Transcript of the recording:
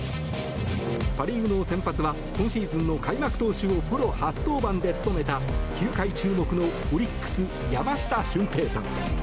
パ・リーグの先発は今シーズンの開幕投手をプロ初登板で務めた球界注目のオリックス、山下舜平大。